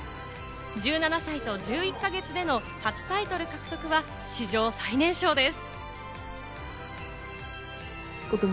１７歳と１１か月での初タイトル獲得は史上最年少です。